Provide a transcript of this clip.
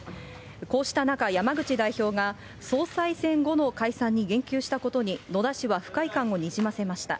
こうした中、山口代表が、総裁選後の解散に言及したことに、野田氏は不快感をにじませました。